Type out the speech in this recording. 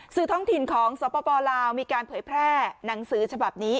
ท้องถิ่นของสปลาวมีการเผยแพร่หนังสือฉบับนี้